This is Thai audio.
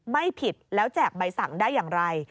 ไม่ผิดแล้วแจกใบสั่งได้อย่างไร